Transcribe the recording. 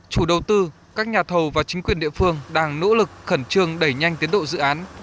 chủ đầu tư các nhà thầu và chính quyền địa phương đang nỗ lực khẩn trương đẩy nhanh tiến độ dự án